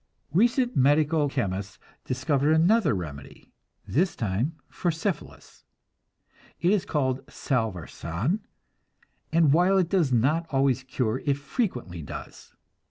Recently medical chemists discovered another remedy, this time for syphilis. It is called salvarsan, and while it does not always cure, it frequently does.